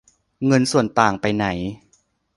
เงินส่วนต่างไปไหน